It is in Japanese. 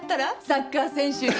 サッカー選手に。